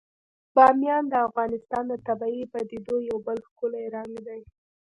بامیان د افغانستان د طبیعي پدیدو یو بل ښکلی رنګ دی.